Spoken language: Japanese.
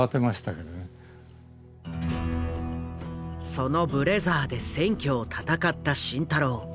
そのブレザーで選挙を戦った慎太郎。